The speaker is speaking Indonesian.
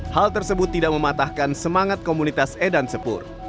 hal tersebut tidak mematahkan semangat komunitas edan sepur